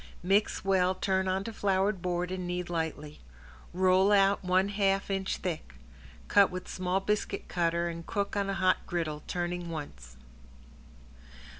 Mix well, turn onto floured board and knead slightly. Roll out one half inch thick. Cut with small biscuit cutter and cook on a hot griddle, turning once.